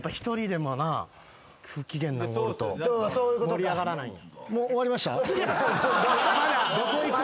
盛り上がらないんや。